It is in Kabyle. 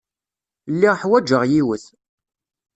Lliɣ ḥwajeɣ yiwet.